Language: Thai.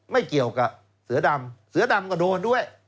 ไม่เกี่ยวกับเสือดำเสือดำก็โดนด้วย